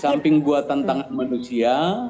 di samping buatan tangan manusia